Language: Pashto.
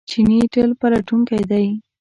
چیني تل پلټونکی دی.